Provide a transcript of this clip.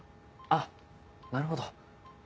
あっなるほど。